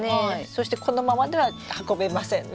そしてこのままでは運べませんね。